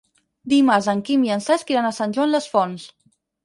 Dimarts en Quim i en Cesc iran a Sant Joan les Fonts.